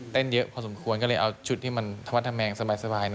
เต้นเยอะพอสมควรก็เลยเอาชุดที่มันธวัดธรรแมงสบายหน่อย